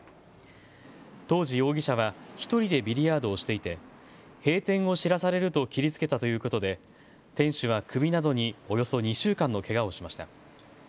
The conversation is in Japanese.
当時、容疑者は１人でビリヤードをしていて閉店を知らされると切りつけたということで店主は首などにおよそ２週間のけがをしました。